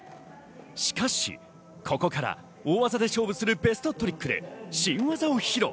ここから大技で勝負するベストトリックで新技を披露。